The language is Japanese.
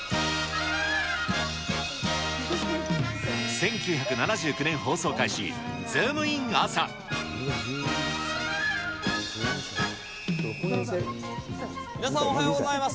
１９７９年放送開始、皆さん、おはようございます。